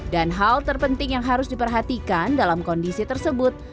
dan hal terpenting yang harus diperhatikan dalam kondisi tersebut